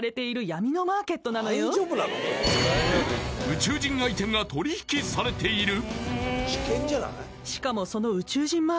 宇宙人アイテムが取り引きされている！？